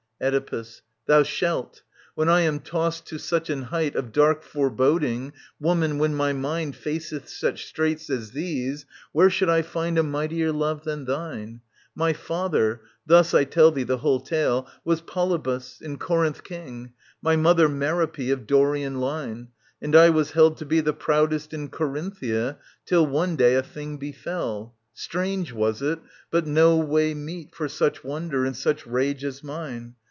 Oedipus. Thou shalt. When I am tossed to such an height Of dark foreboding, woman, when my mind Faceth such straits as these, where should I find A mightier love than thine ? My father — thus I tell thee the whole tale — was Polybus, In Corinth King ; my mother Merop6 Of Dorian line. And I was held to be The proudest in Corinthia, till one day A thing befell : strange was it, but no way Meet for such wonder and such rage as mine.